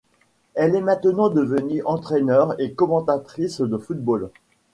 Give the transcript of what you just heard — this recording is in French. Elle est maintenant devenue entraîneur et commentatrice de football.